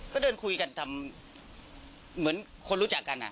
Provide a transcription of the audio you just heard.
ก็เดินคุยกันทำเหมือนคนรู้จักกัน